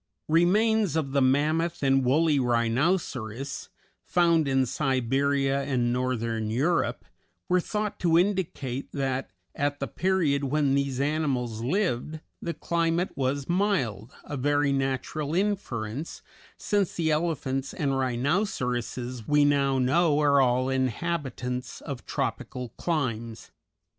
Remains of the Mammoth and Woolly Rhinoceros, found in Siberia and Northern Europe, were thought to indicate that at the period when these animals lived the climate was mild, a very natural inference, since the elephants and rhinoceroses we now know are all inhabitants of tropical climes.